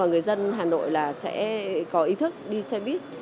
người dân hà nội là sẽ có ý thức đi xe buýt